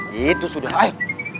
gitu sudah ayo